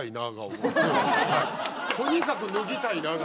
とにかく脱ぎたいなが・